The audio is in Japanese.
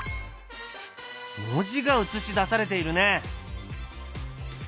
文字が映し出されているね！